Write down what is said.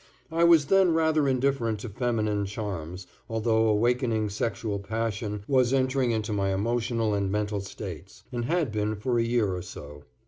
I was then rather indifferent to feminine charms, although awakening sexual passion was entering into my emotional and mental states, and had been for a year or so.